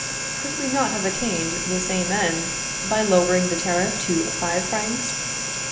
Could we not have attained the same end by lowering the tariff to five francs?